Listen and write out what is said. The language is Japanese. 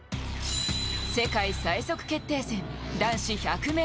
世界最速決定戦男子１００ｍ。